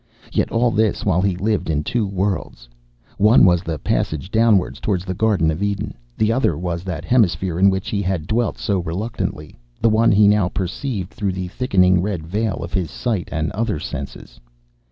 Yet all this while he lived in two worlds. One was the passage downwards towards the Garden of Eden. The other was that hemisphere in which he had dwelt so reluctantly, the one he now perceived through the thickening red veil of his sight and other senses.